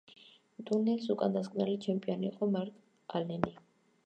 ტურნირის უკანასკნელი ჩემპიონი იყო მარკ ალენი.